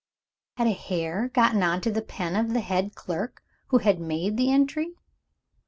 Had a hair got into the pen of the head clerk, who had made the entry?